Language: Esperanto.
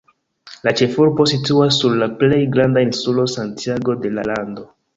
La ĉefurbo situas sur la plej granda insulo Santiago de la lando.